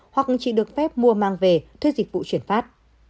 hoặc chỉ được phép mua mang về thuê dịch vụ chuyển phát